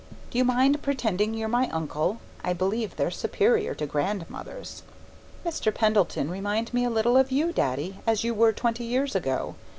Do you mind pretending you're my uncle? I believe they're superior to grandmothers. Mr. Pendleton reminded me a little of you, Daddy, as you were twenty years ago.